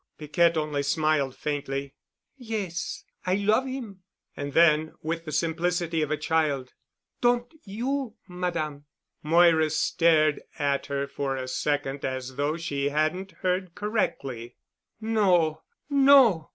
Piquette only smiled faintly. "Yes, I love 'im." And then, with the simplicity of a child, "Don't you, Madame?" Moira stared at her for a second as though she hadn't heard correctly. "No. No.